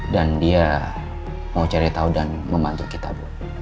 dan dia mau cari tau dan membantu kita bu